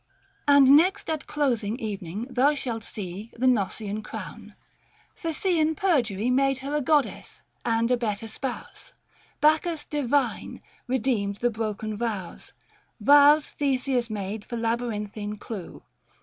And next at closing evening thou shalt see The Gnossian Crown. Theseian perjury Made her a goddess ; and a better spouse — Bacchus divine — redeemed the broken vows ;— 500 Vows, Theseus made for labyrinthine clue.